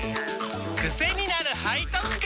クセになる背徳感！